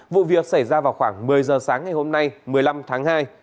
vụ việc xảy ra vào khoảng một mươi giờ sáng ngày hôm nay một mươi năm tháng hai